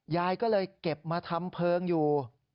ยายก็เลยเก็บมาทำเพลิงอยู่